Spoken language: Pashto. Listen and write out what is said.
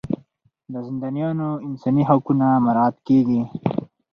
د زندانیانو انساني حقونه مراعات کیږي.